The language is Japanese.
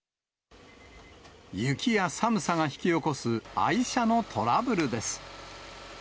雪や寒さが引き起こす愛車のトラブルです。